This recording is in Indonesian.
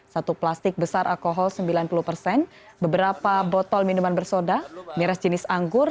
satu plastik besar alkohol sembilan puluh persen beberapa botol minuman bersoda miras jenis anggur